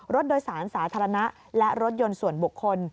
รถโดยสารสาธารณะและรถยนต์ส่วนบุคคล